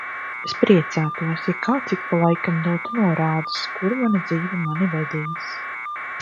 Es priecātos, ja kāds ik pa laikam dotu norādes, kur mana dzīve mani vedīs.